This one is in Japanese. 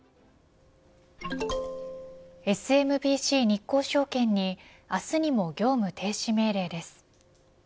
ＳＭＢＣ日興証券に明日にも業務停止命令です。